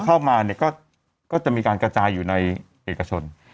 เข้ามาเนี่ยก็จะมีการกระจายอยู่ในเอกชน